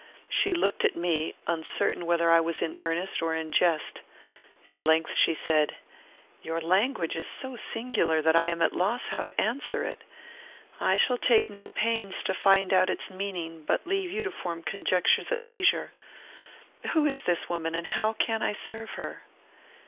She looked at me, uncertain whether I was in earnest or in jest. At length she said, "Your language is so singular, that I am at a loss how to answer it. I shall take no pains to find out its meaning, but leave you to form conjectures at leisure. Who is this woman, and how can I serve her?"